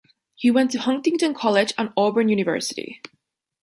He went to Huntingdon College and Auburn University.